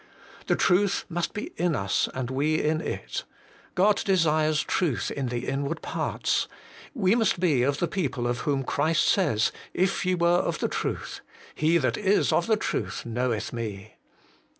The Truth must be in us, and we in it. God desires truth in the inward HOLINESS AND TRUTH. 147 parts : we must be of the people of whom Christ says, ' If ye were of the truth/ ' he that is of the truth knoweth me.'